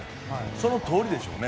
そのとおりでしょうね。